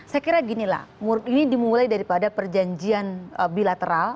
saya kira ginilah ini dimulai daripada perjanjian bilateral